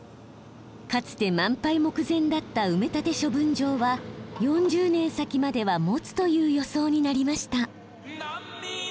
かつて満杯目前だった埋め立て処分場は４０年先まではもつという予想になりました。